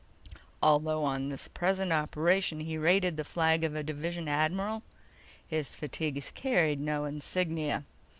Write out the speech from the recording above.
Although on this present operation he rated the flag of a division admiral, his fatigues carried no insignia.